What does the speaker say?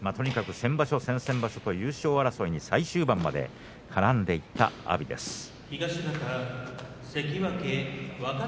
先場所、先々場所と優勝争いに最終盤まで絡んでいった阿炎です。